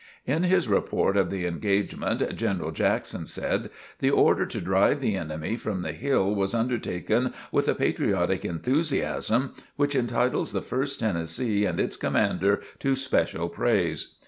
In his report of the engagement, General Jackson said: "The order to drive the enemy from the hill was undertaken with a patriotic enthusiasm which entitles the First Tennessee and its commander to special praise."